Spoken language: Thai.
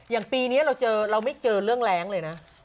อย่างปีนี้เราเจอเราไม่เจอเรื่องแรงเลยนะ